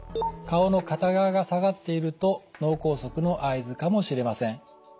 顔の片側が下がっていると脳梗塞の合図かもしれません。